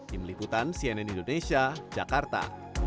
di meliputan cnn indonesia jakarta